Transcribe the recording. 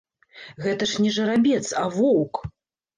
Гэта ж не жарабец, а воўк!